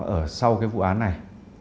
ở sau cái vụ án này